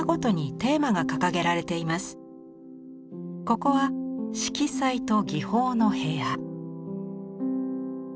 ここは「色彩と技法」の部屋。